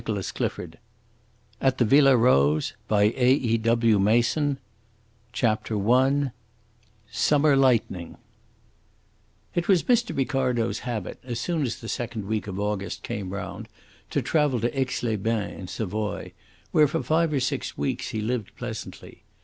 HANAUD EXPLAINS AT THE VILLA ROSE CHAPTER I SUMMER LIGHTNING It was Mr. Ricardo's habit as soon as the second week of August came round to travel to Aix les Bains, in Savoy, where for five or six weeks he lived pleasantly.